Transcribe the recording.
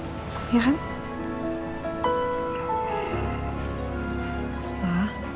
aku minta maaf yang soal kemarin ya